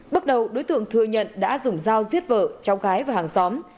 bước đầu đối tượng thừa nhận đã dùng dao giết vợ cháu gái và hàng xóm